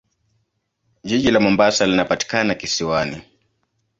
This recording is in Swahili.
Jiji la Mombasa linapatikana kisiwani.